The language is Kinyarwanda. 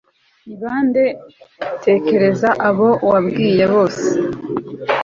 Ni bande tekereza abo wabwiwe bose